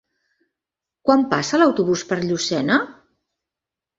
Quan passa l'autobús per Llucena?